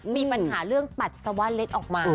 มีปัญหาเรื่องปัดสวรรค์เล็ตออกมา